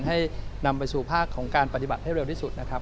ให้นำไปสู่ภาคของการปฏิบัติให้เร็วที่สุดนะครับ